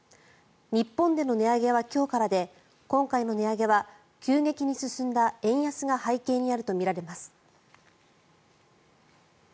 日本での値上げは今日からで今回の値上げは急激に進んだ円安が背景にあるとみられます。